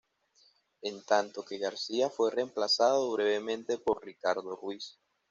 En tanto que García fue reemplazado brevemente por Ricardo Ruiz.